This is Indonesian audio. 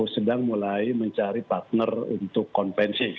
sedang mulai mencari partner untuk konvensi